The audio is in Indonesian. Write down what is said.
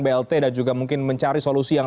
blt dan juga mungkin mencari solusi yang